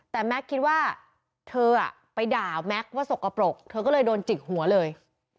แต่แม็กซ์คิดว่าเธอไปด่าแม็กซ์ว่าสกปรกเธอก็เลยโดนจิกหัวเลย